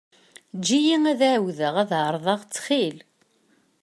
Eǧǧ-iyi ad εawdeɣ ad εerḍeɣ ttxil.